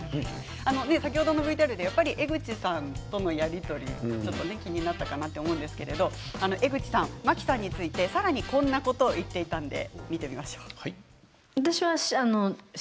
先ほどのＶＴＲで江口さんとのやり取りがちょっと気になったかなと思うんですけれど江口さんは真木さんについてさらに、こんなことを言っていたんです。